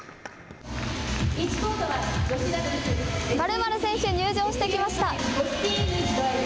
パルマル選手、入場してきました。